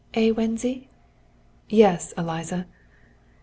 ] "Eh, Wenzy?" "Yes, Eliza!"